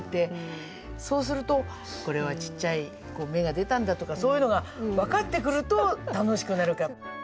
そうするとこれはちっちゃい芽が出たんだとかそういうのが分かってくると楽しくなる。